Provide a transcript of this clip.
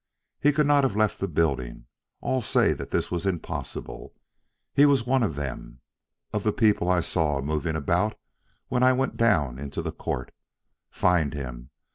He could not have left the building all say that this was impossible. He was one, then, of the people I saw moving about when I went down into the court. Find him!